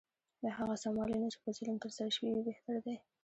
له هغه سموالي نه چې په ظلم ترسره شوی وي بهتر دی.